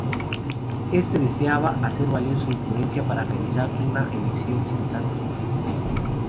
Este deseaba hacer valer su influencia para realizar una elección sin tantos excesos.